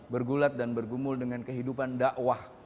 bergulat dan bergumul dengan kehidupan dakwah